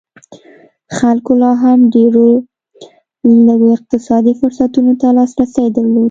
خلکو لا هم ډېرو لږو اقتصادي فرصتونو ته لاسرسی درلود.